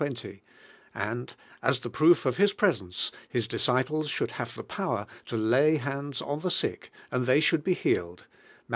30), and as the proof of His presence, His dis ii]des should have the power to lay bands on the sick, and they should be healed (Matt.